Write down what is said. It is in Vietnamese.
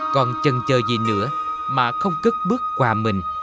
còn chần chờ gì nữa mà không cất bước quà mình